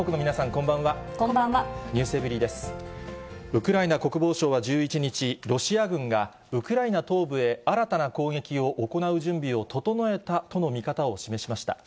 ウクライナ国防省は１１日、ロシア軍がウクライナ東部へ新たな攻撃を行う準備を整えたとの見方を示しました。